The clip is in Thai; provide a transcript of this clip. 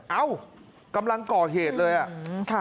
เอ้ากำลังก่อเหตุเลยอ่ะ